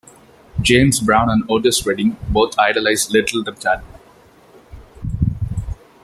James Brown and Otis Redding both idolized Little Richard.